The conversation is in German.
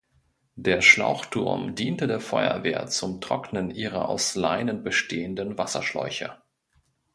Der Schlauchturm diente der Feuerwehr zum Trocknen ihrer aus Leinen bestehenden Wasserschläuche.